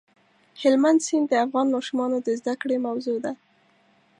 هلمند سیند د افغان ماشومانو د زده کړې موضوع ده.